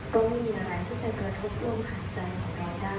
ก็ไม่มีอะไรที่จะกระทบลมหายใจของเราได้